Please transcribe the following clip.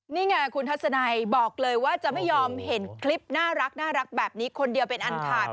นี่ไงคุณทัศนัยบอกเลยว่าจะไม่ยอมเห็นคลิปน่ารักแบบนี้คนเดียวเป็นอันขาด